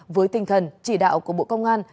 với tinh thần chỉ đạo của bộ công an